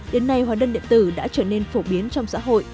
đến nay hóa đơn điện tử đã trở nên phổ biến trong xã hội